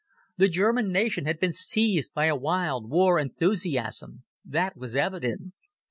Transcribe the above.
The German nation had been seized by a wild war enthusiasm. That was evident.